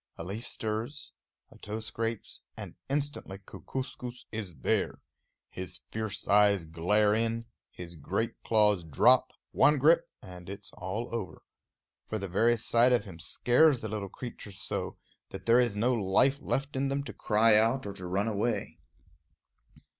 A leaf stirs, a toe scrapes, and instantly Kookooskoos is there. His fierce eyes glare in; his great claws drop; one grip, and it's all over. For the very sight of him scares the little creatures so, that there is no life left in them to cry out or to run away.